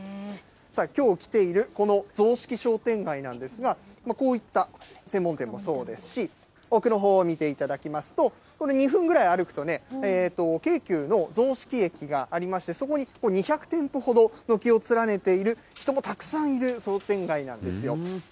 さあ、きょう来ている、この雑色商店街なんですが、こういった専門店もそうですし、奥のほう見ていただきますと、これ２分ぐらい歩くとね、京急の雑色駅がありまして、そこに２００店舗ほど軒を連ねている、人もたくさんいる商店街なんですよ。